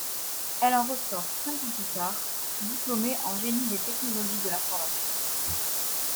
Elle en ressort cinq ans plus tard, diplômée en génie des technologies de l'information.